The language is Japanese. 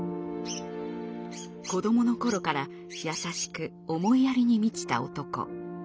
子どもの頃から優しく思いやりに満ちた男。